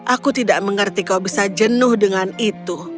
aku tidak mengerti kau bisa jenuh dengan itu